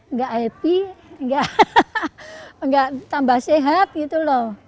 enggak happy enggak tambah sehat gitu loh